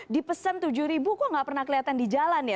dipesan tujuh ribu kok nggak pernah kelihatan di jalan ya